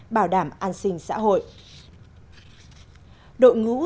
bảo đảm an sinh xã hội